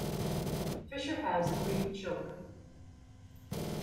Fisher has three children.